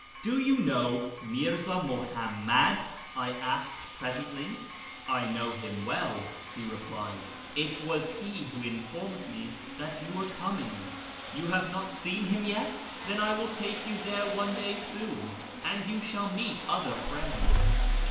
" Do you know Mirza Muhammad ?" I asked presently. " I know him well," he replied ;" it was he wdio informed 300 A YEAR AMONGST THE PERSIANS me that you were coming. You have not seen liim yet ? Then I will take you there one clay soon, and you shall meet other friends.